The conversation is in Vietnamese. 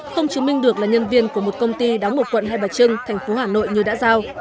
không chứng minh được là nhân viên của một công ty đóng một quận hay bạch chân thành phố hà nội như đã giao